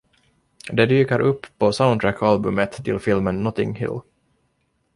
Det dyker upp på soundtrackalbumet till filmen Notting Hill.